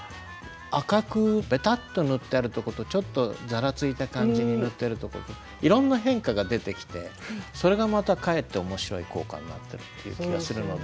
赤くべたっと塗ってあるとことちょっとざらついた感じに塗ってあるとこといろんな変化が出てきてそれがまたかえって面白い効果になってるという気がするので。